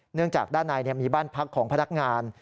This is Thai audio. เนื่องจากด้านในมีบ้านพักของพนักงาน